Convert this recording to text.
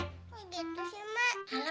gitu sih mak